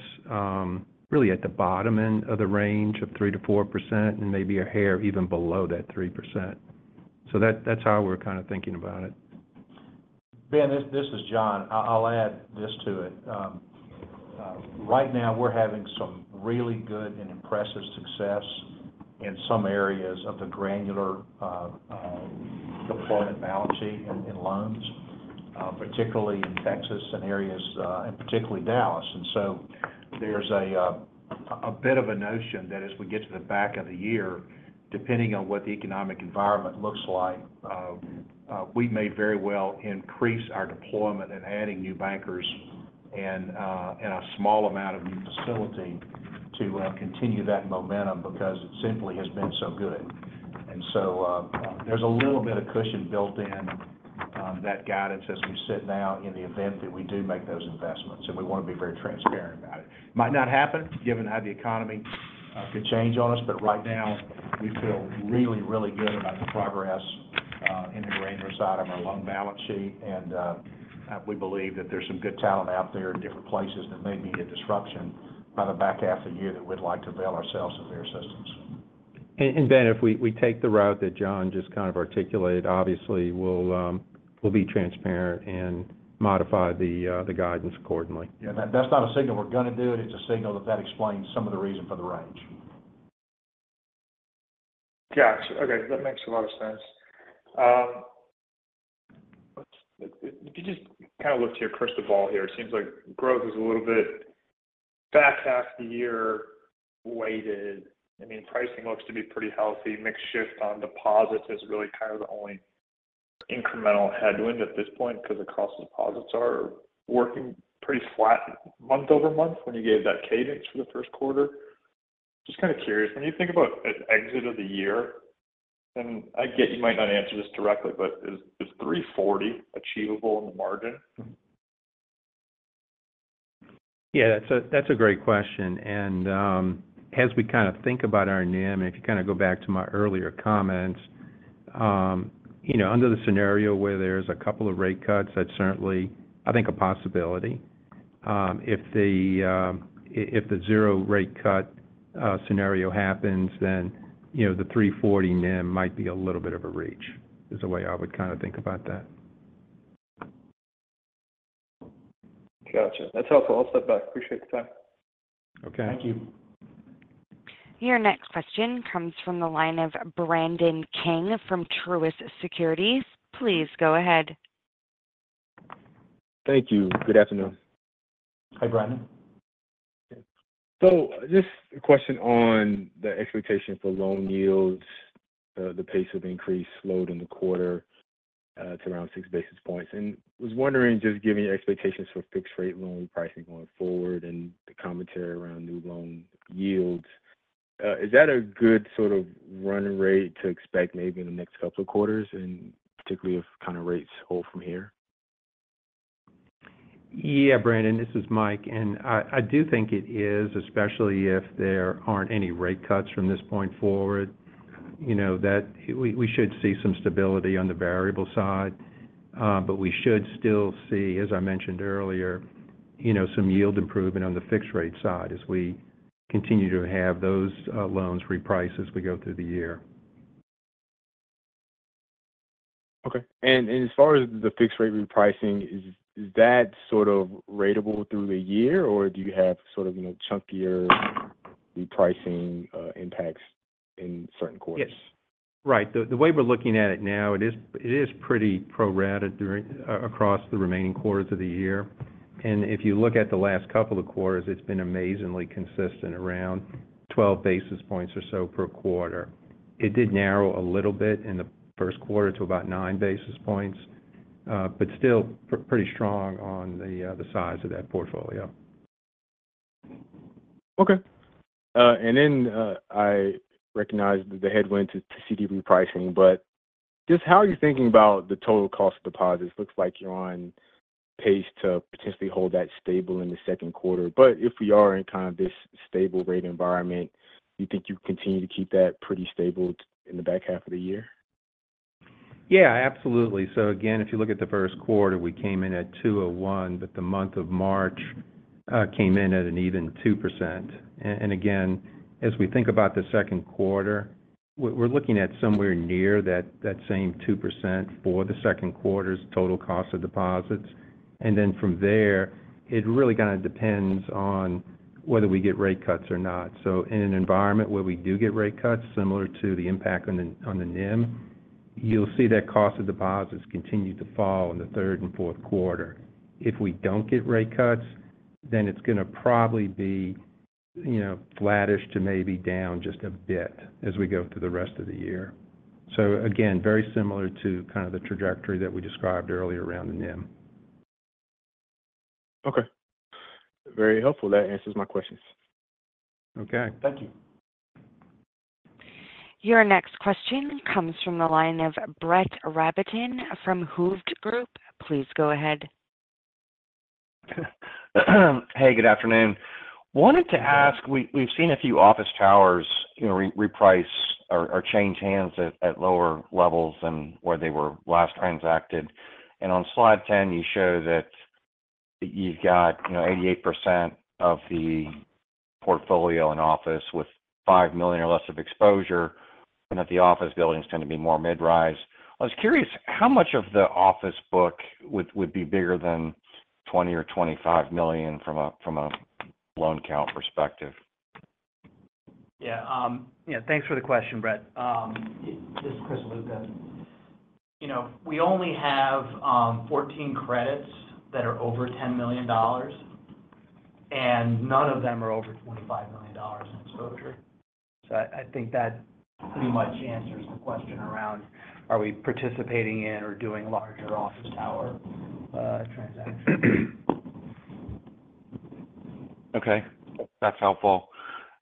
really at the bottom end of the range of 3%-4% and maybe a hair even below that 3%. So that's how we're kind of thinking about it. Ben, this is John. I'll add this to it. Right now, we're having some really good and impressive success in some areas of the granular deployment balance sheet in loans, particularly in Texas and areas and particularly Dallas. So there's a bit of a notion that as we get to the back of the year, depending on what the economic environment looks like, we may very well increase our deployment in adding new bankers and a small amount of new facility to continue that momentum because it simply has been so good. So there's a little bit of cushion built in that guidance as we sit now in the event that we do make those investments. We want to be very transparent about it. It might not happen given how the economy could change on us. Right now, we feel really, really good about the progress in the granular side of our loan balance sheet. We believe that there's some good talent out there in different places that may be a disruption by the back half of the year that we'd like to avail ourselves of their assistance. Ben, if we take the route that John just kind of articulated, obviously, we'll be transparent and modify the guidance accordingly. Yeah. That's not a signal we're going to do it. It's a signal that that explains some of the reason for the range. Gotcha. Okay. That makes a lot of sense. If you just kind of look to your crystal ball here, it seems like growth is a little bit back half of the year weighted. I mean, pricing looks to be pretty healthy. Mixed shift on deposits is really kind of the only incremental headwind at this point because across the deposits are working pretty flat month-over-month when you gave that cadence for the first quarter. Just kind of curious, when you think about exit of the year, and I get you might not answer this directly, but is 3.40% achievable in the margin? Yeah. That's a great question. And as we kind of think about our NIM, and if you kind of go back to my earlier comments, under the scenario where there's a couple of rate cuts, that's certainly, I think, a possibility. If the zero rate cut scenario happens, then the 340 NIM might be a little bit of a reach, is the way I would kind of think about that. Gotcha. That's helpful. I'll step back. Appreciate the time. Okay. Thank you. Your next question comes from the line of Brandon King from Truist Securities. Please go ahead. Thank you. Good afternoon. Hi, Brandon. Just a question on the expectations for loan yields. The pace of increase slowed in the quarter to around six basis points. I was wondering, just given your expectations for fixed-rate loan repricing going forward and the commentary around new loan yields, is that a good sort of running rate to expect maybe in the next couple of quarters, and particularly if kind of rates hold from here? Yeah, Brandon. This is Mike. And I do think it is, especially if there aren't any rate cuts from this point forward, that we should see some stability on the variable side. But we should still see, as I mentioned earlier, some yield improvement on the fixed-rate side as we continue to have those loans reprice as we go through the year. Okay. And as far as the fixed-rate repricing, is that sort of ratable through the year? Or do you have sort of chunkier repricing impacts in certain quarters? Yes. Right. The way we're looking at it now, it is pretty pro-rata across the remaining quarters of the year. And if you look at the last couple of quarters, it's been amazingly consistent around 12 basis points or so per quarter. It did narrow a little bit in the first quarter to about 9 basis points, but still pretty strong on the size of that portfolio. Okay. And then I recognize the headwinds to CD repricing. But just how are you thinking about the total cost of deposits? Looks like you're on pace to potentially hold that stable in the second quarter. But if we are in kind of this stable rate environment, do you think you continue to keep that pretty stable in the back half of the year? Yeah. Absolutely. So again, if you look at the first quarter, we came in at 2.01%. But the month of March came in at an even 2%. And again, as we think about the second quarter, we're looking at somewhere near that same 2% for the second quarter's total cost of deposits. And then from there, it really kind of depends on whether we get rate cuts or not. So in an environment where we do get rate cuts, similar to the impact on the NIM, you'll see that cost of deposits continue to fall in the third and fourth quarter. If we don't get rate cuts, then it's going to probably be flattish to maybe down just a bit as we go through the rest of the year. So again, very similar to kind of the trajectory that we described earlier around the NIM. Okay. Very helpful. That answers my questions. Okay. Thank you. Your next question comes from the line of Brett Rabatin from Hovde Group. Please go ahead. Hey. Good afternoon. Wanted to ask, we've seen a few office towers reprice or change hands at lower levels than where they were last transacted. And on slide 10, you show that you've got 88% of the portfolio in office with $5 million or less of exposure and that the office buildings tend to be more mid-rise. I was curious, how much of the office book would be bigger than $20 million or $25 million from a loan count perspective? Yeah. Thanks for the question, Brett. This is Chris Ziluca. We only have 14 credits that are over $10 million, and none of them are over $25 million in exposure. So I think that pretty much answers the question around, are we participating in or doing larger office tower transactions? Okay. That's helpful.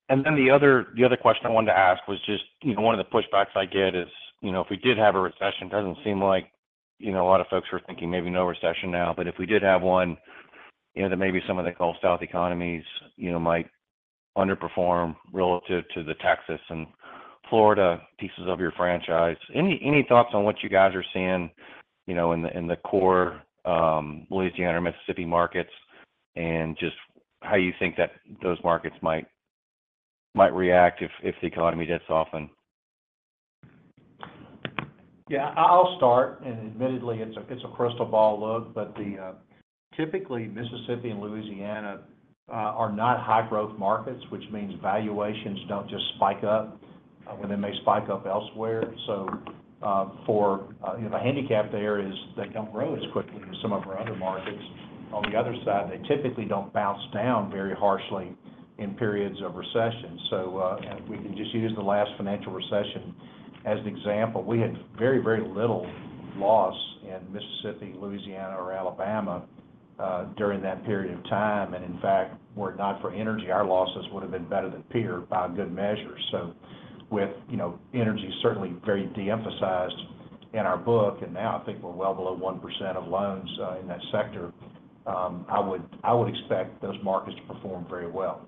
Then the other question I wanted to ask was just one of the pushbacks I get is if we did have a recession, it doesn't seem like a lot of folks were thinking maybe no recession now. But if we did have one, then maybe some of the Gulf South economies might underperform relative to the Texas and Florida pieces of your franchise. Any thoughts on what you guys are seeing in the core Louisiana or Mississippi markets and just how you think that those markets might react if the economy gets softened? Yeah. I'll start. Admittedly, it's a crystal ball look. But typically, Mississippi and Louisiana are not high-growth markets, which means valuations don't just spike up when they may spike up elsewhere. For the handicap there is they don't grow as quickly as some of our other markets. On the other side, they typically don't bounce down very harshly in periods of recession. We can just use the last financial recession as an example. We had very, very little loss in Mississippi, Louisiana, or Alabama during that period of time. In fact, were it not for energy, our losses would have been better than peer by good measures. With energy certainly very de-emphasized in our book, and now I think we're well below 1% of loans in that sector, I would expect those markets to perform very well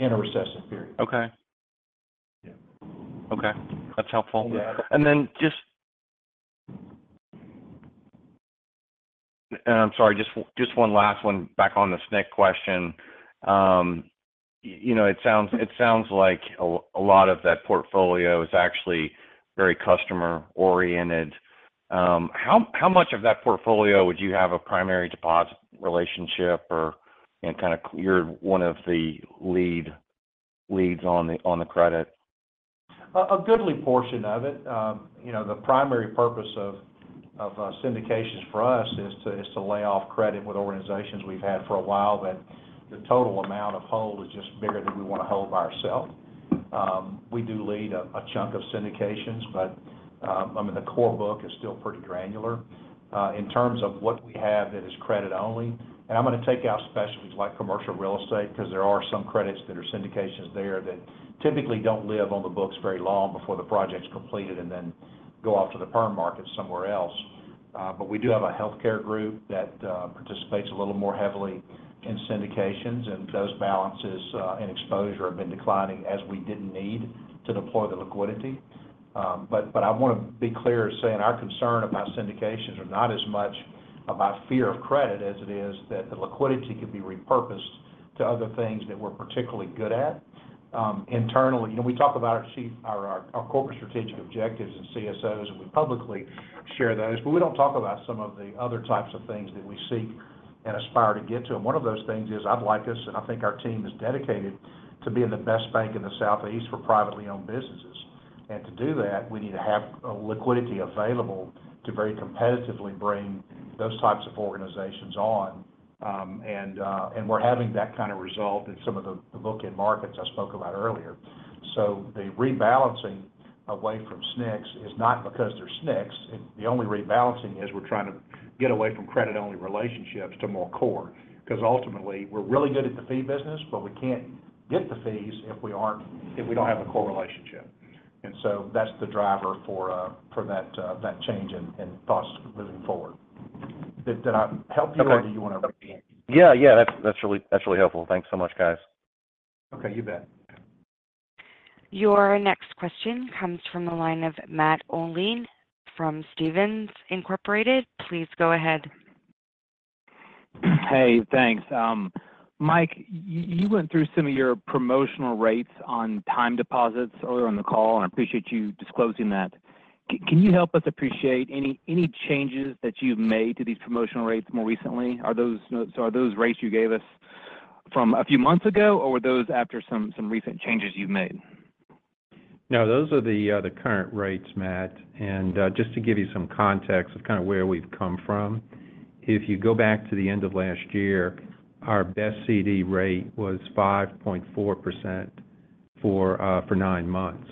in a recessive period. Okay. Okay. That's helpful. And then, just, I'm sorry. Just one last one back on this next question. It sounds like a lot of that portfolio is actually very customer-oriented. How much of that portfolio would you have a primary deposit relationship or kind of you're one of the leads on the credit? A goodly portion of it. The primary purpose of syndications for us is to lay off credit with organizations we've had for a while that the total amount of hold is just bigger than we want to hold by ourselves. We do lead a chunk of syndications. But I mean, the core book is still pretty granular in terms of what we have that is credit-only. And I'm going to take out specialties like commercial real estate because there are some credits that are syndications there that typically don't live on the books very long before the project's completed and then go off to the perm market somewhere else. But we do have a healthcare group that participates a little more heavily in syndications. And those balances in exposure have been declining as we didn't need to deploy the liquidity. But I want to be clear in saying our concern about syndications are not as much about fear of credit as it is that the liquidity could be repurposed to other things that we're particularly good at. Internally, we talk about our corporate strategic objectives and CSOs, and we publicly share those. But we don't talk about some of the other types of things that we seek and aspire to get to. And one of those things is I'd like us and I think our team is dedicated to being the best bank in the Southeast for privately owned businesses. And to do that, we need to have liquidity available to very competitively bring those types of organizations on. And we're having that kind of result in some of the bookend markets I spoke about earlier. So the rebalancing away from SNCs is not because they're SNCs. The only rebalancing is we're trying to get away from credit-only relationships to more core because ultimately, we're really good at the fee business, but we can't get the fees if we don't have a core relationship. And so that's the driver for that change in thoughts moving forward. Did I help you or do you want to repeat? Yeah. Yeah. That's really helpful. Thanks so much, guys. Okay. You bet. Your next question comes from the line of Matt Olney from Stephens Inc. Please go ahead. Hey. Thanks. Mike, you went through some of your promotional rates on time deposits earlier on the call. I appreciate you disclosing that. Can you help us appreciate any changes that you've made to these promotional rates more recently? Are those rates you gave us from a few months ago, or were those after some recent changes you've made? No. Those are the current rates, Matt. Just to give you some context of kind of where we've come from, if you go back to the end of last year, our best CD rate was 5.4% for nine months.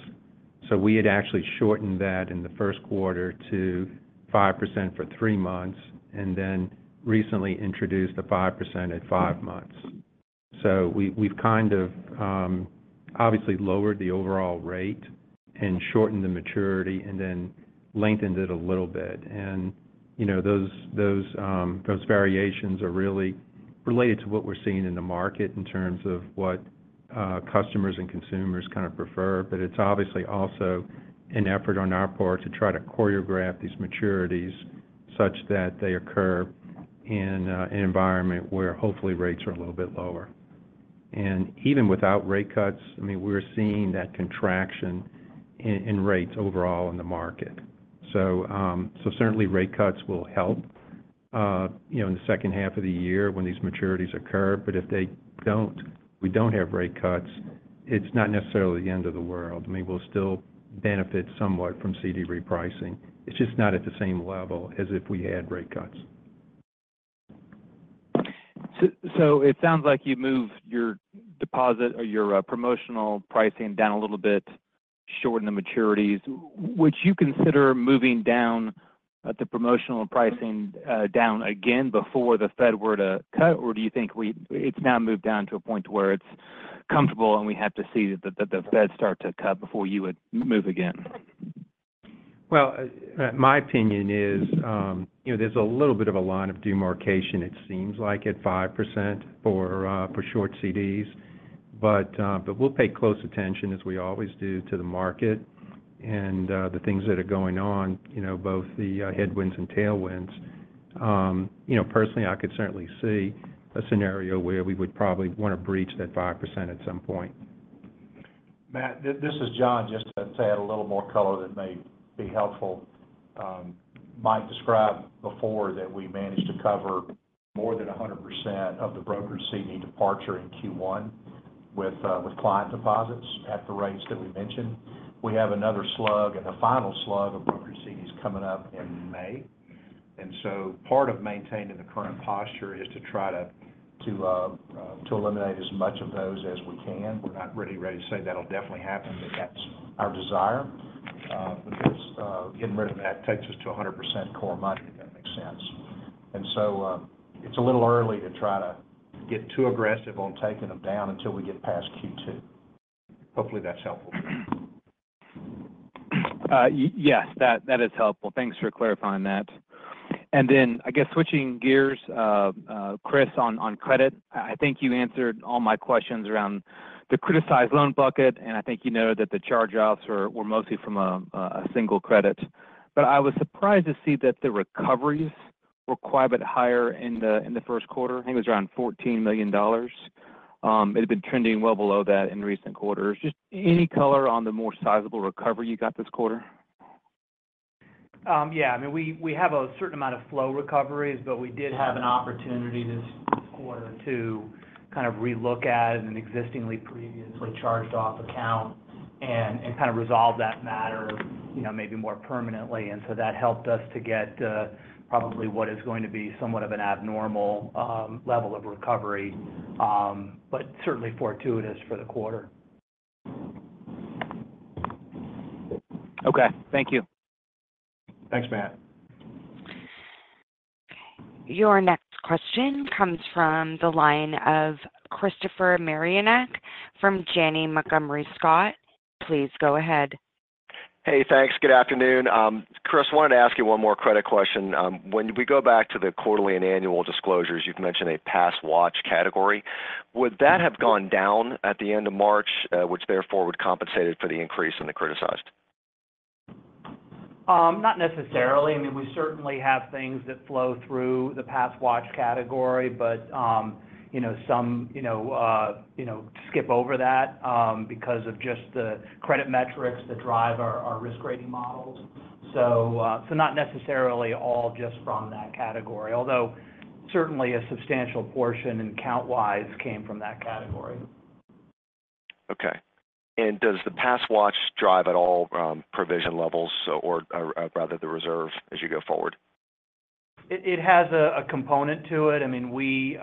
We had actually shortened that in the first quarter to 5% for three months and then recently introduced the 5% at five months. We've kind of obviously lowered the overall rate and shortened the maturity and then lengthened it a little bit. Those variations are really related to what we're seeing in the market in terms of what customers and consumers kind of prefer. It's obviously also an effort on our part to try to choreograph these maturities such that they occur in an environment where hopefully rates are a little bit lower. Even without rate cuts, I mean, we're seeing that contraction in rates overall in the market. So certainly, rate cuts will help in the second half of the year when these maturities occur. But if we don't have rate cuts, it's not necessarily the end of the world. I mean, we'll still benefit somewhat from CD repricing. It's just not at the same level as if we had rate cuts. So it sounds like you moved your deposit or your promotional pricing down a little bit, shortened the maturities. Would you consider moving the promotional pricing down again before the Fed were to cut? Or do you think it's now moved down to a point where it's comfortable and we have to see the Fed start to cut before you would move again? Well, my opinion is there's a little bit of a line of demarcation, it seems like, at 5% for short CDs. But we'll pay close attention, as we always do, to the market and the things that are going on, both the headwinds and tailwinds. Personally, I could certainly see a scenario where we would probably want to breach that 5% at some point. Matt, this is John, just to add a little more color that may be helpful. Mike described before that we managed to cover more than 100% of the broker's CD departure in Q1 with client deposits at the rates that we mentioned. We have another slug, and the final slug of brokered CDs coming up in May. And so part of maintaining the current posture is to try to eliminate as much of those as we can. We're not really, really say that'll definitely happen, but that's our desire. But getting rid of that takes us to 100% core money, if that makes sense. And so it's a little early to try to get too aggressive on taking them down until we get past Q2. Hopefully, that's helpful. Yes. That is helpful. Thanks for clarifying that. And then I guess switching gears, Chris, on credit, I think you answered all my questions around the criticized loan bucket. And I think you noted that the charge-offs were mostly from a single credit. But I was surprised to see that the recoveries were quite a bit higher in the first quarter. I think it was around $14 million. It had been trending well below that in recent quarters. Just any color on the more sizable recovery you got this quarter? Yeah. I mean, we have a certain amount of flow recoveries. But we did have an opportunity this quarter to kind of relook at an existing previously charged-off account and kind of resolve that matter maybe more permanently. And so that helped us to get probably what is going to be somewhat of an abnormal level of recovery but certainly fortuitous for the quarter. Okay. Thank you. Thanks, Matt. Your next question comes from the line of Christopher Marinac from Janney Montgomery Scott. Please go ahead. Hey. Thanks. Good afternoon. Chris, wanted to ask you one more credit question. When we go back to the quarterly and annual disclosures, you've mentioned a Pass Watch category. Would that have gone down at the end of March, which therefore would compensate it for the increase in the criticized? Not necessarily. I mean, we certainly have things that flow through the Pass Watch category. But some skip over that because of just the credit metrics that drive our risk-rating models. So not necessarily all just from that category, although certainly a substantial portion and count-wise came from that category. Okay. Does the past watch drive at all provision levels or rather the reserve as you go forward? It has a component to it. I mean,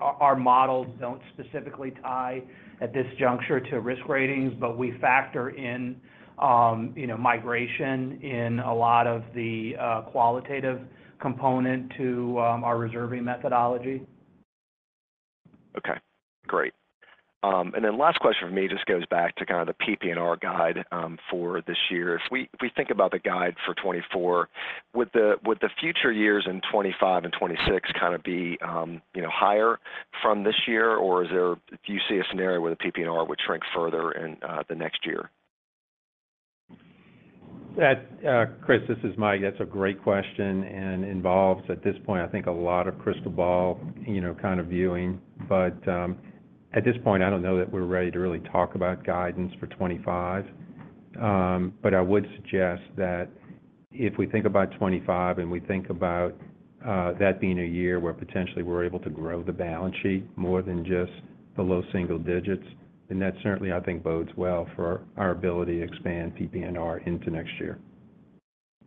our models don't specifically tie at this juncture to risk ratings. But we factor in migration in a lot of the qualitative component to our reserving methodology. Okay. Great. And then last question from me just goes back to kind of the PP&R guide for this year. If we think about the guide for 2024, would the future years in 2025 and 2026 kind of be higher from this year? Or do you see a scenario where the PP&R would shrink further in the next year? Chris, this is Mike. That's a great question and involves, at this point, I think, a lot of crystal ball kind of viewing. But at this point, I don't know that we're ready to really talk about guidance for 2025. But I would suggest that if we think about 2025 and we think about that being a year where potentially we're able to grow the balance sheet more than just the low single digits, then that certainly, I think, bodes well for our ability to expand PP&R into next year.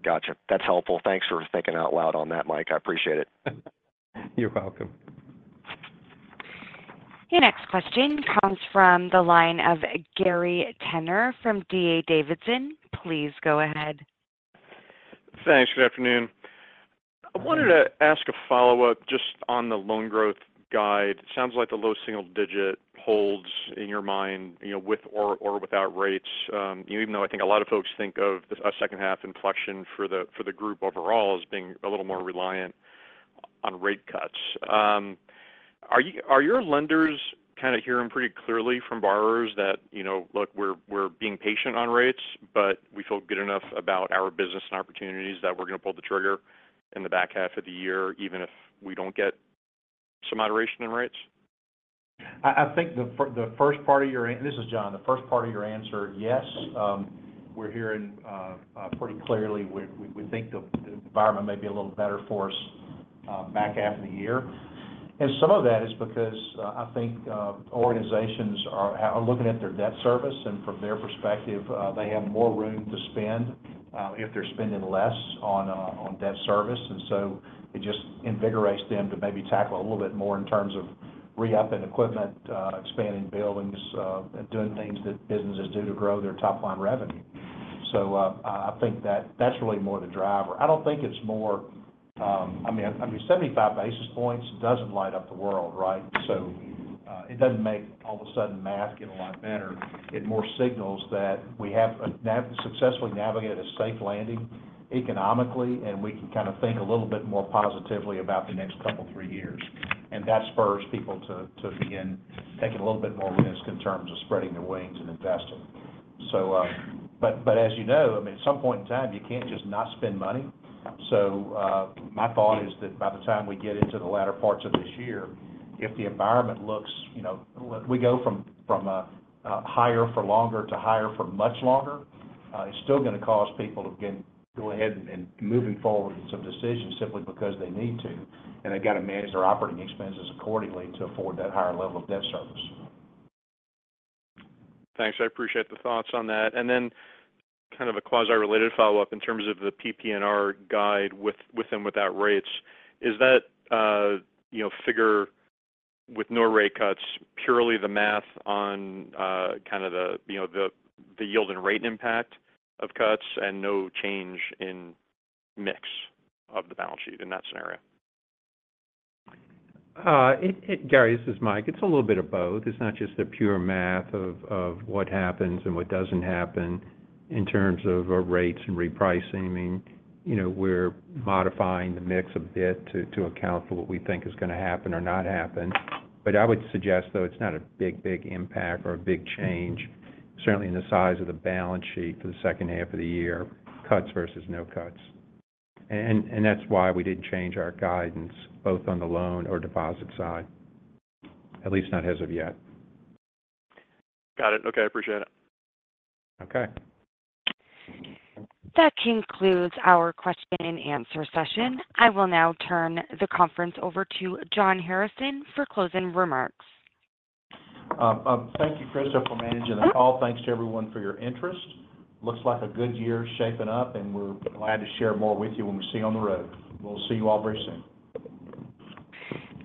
Gotcha. That's helpful. Thanks for thinking out loud on that, Mike. I appreciate it. You're welcome. Your next question comes from the line of Gary Tenner from DA Davidson. Please go ahead. Thanks. Good afternoon. I wanted to ask a follow-up just on the loan growth guide. Sounds like the low single digit holds in your mind with or without rates, even though I think a lot of folks think of a second-half inflection for the group overall as being a little more reliant on rate cuts. Are your lenders kind of hearing pretty clearly from borrowers that, "Look, we're being patient on rates, but we feel good enough about our business and opportunities that we're going to pull the trigger in the back half of the year even if we don't get some moderation in rates"? The first part of your answer, yes, we're hearing pretty clearly we think the environment may be a little better for us back half of the year. And some of that is because I think organizations are looking at their debt service. And from their perspective, they have more room to spend if they're spending less on debt service. And so it just invigorates them to maybe tackle a little bit more in terms of re-upping equipment, expanding buildings, and doing things that businesses do to grow their top-line revenue. So I think that's really more the driver. I don't think it's more I mean, 75 basis points doesn't light up the world, right? So it doesn't make all of a sudden math get a lot better. It more signals that we have successfully navigated a safe landing economically, and we can kind of think a little bit more positively about the next couple, three years. And that spurs people to begin taking a little bit more risk in terms of spreading their wings and investing. But as you know, I mean, at some point in time, you can't just not spend money. So my thought is that by the time we get into the latter parts of this year, if the environment looks we go from higher for longer to higher for much longer, it's still going to cause people to go ahead and move forward with some decisions simply because they need to. And they've got to manage their operating expenses accordingly to afford that higher level of debt service. Thanks. I appreciate the thoughts on that. And then kind of a quasi-related follow-up in terms of the PP&R guide with and without rates, is that figure with no rate cuts purely the math on kind of the yield and rate impact of cuts and no change in mix of the balance sheet in that scenario? Gary, this is Mike. It's a little bit of both. It's not just the pure math of what happens and what doesn't happen in terms of rates and repricing. I mean, we're modifying the mix a bit to account for what we think is going to happen or not happen. But I would suggest, though, it's not a big, big impact or a big change, certainly in the size of the balance sheet for the second half of the year, cuts versus no cuts. That's why we didn't change our guidance both on the loan or deposit side, at least not as of yet. Got it. Okay. I appreciate it. Okay. That concludes our question-and-answer session. I will now turn the conference over to John Hairston for closing remarks. Thank you, Christopher, for managing the call. Thanks to everyone for your interest. Looks like a good year shaping up. And we're glad to share more with you when we see you on the road. We'll see you all very soon.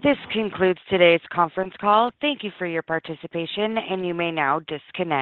This concludes today's conference call. Thank you for your participation. You may now disconnect.